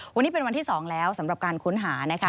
วันนี้เป็นวันที่๒แล้วสำหรับการค้นหานะคะ